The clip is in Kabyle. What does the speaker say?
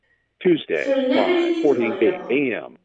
Fren abrid i tebɣiḍ.